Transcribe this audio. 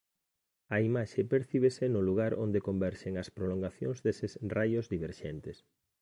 A imaxe percíbese no lugar onde converxen as prolongacións deses raios diverxentes.